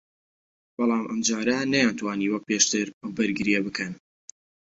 بەڵام ئەمجارە نەیانتوانی وەکو پێشتر ئەو بەرگرییە بکەن